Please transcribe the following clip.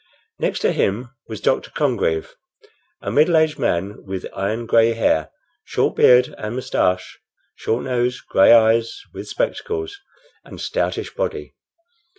Next to him was Dr. Congreve, a middle aged man, with iron gray hair, short beard and mustache, short nose, gray eyes, with spectacles, and stoutish body.